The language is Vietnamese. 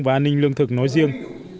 và an ninh lương thực nói riêng